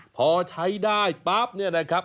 พอใช้ได้ปั๊บเนี่ยนะครับ